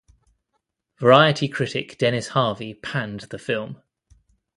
Variety critic Dennis Harvey panned the film.